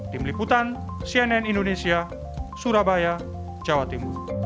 tim liputan cnn indonesia surabaya jawa timur